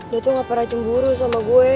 dia tuh gak pernah cemburu sama gue